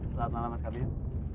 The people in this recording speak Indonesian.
selamat malam mas kabil